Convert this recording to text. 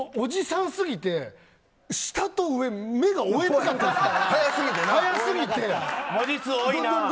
おじさんすぎて下と上目が追えなかった。